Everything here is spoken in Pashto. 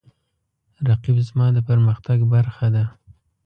رقیب زما د پرمختګ برخه ده